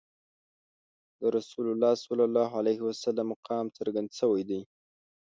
د رسول الله صلی الله علیه وسلم مقام څرګند شوی دی.